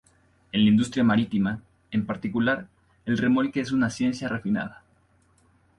En la industria marítima, en particular, el remolque es una ciencia refinada.